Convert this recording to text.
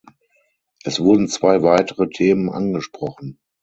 Es wurden zwei weitere Themen angesprochen.